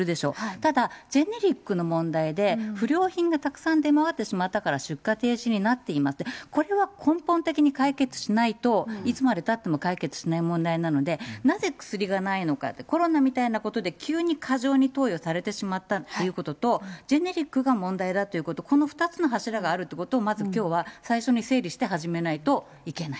ただ、ジェネリックの問題で、不良品がたくさん出回ってしまったから出荷停止になっていますって、これは根本的に解決しないと、いつまでたっても解決しない問題なので、なぜ薬がないのかって、コロナみたいなことで急に過剰に投与されてしまったということと、ジェネリックが問題だということ、この２つの柱があるということを、まずきょうは最初に整理して始めないといけない。